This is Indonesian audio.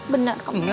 bener kamu ya